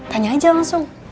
tanya aja langsung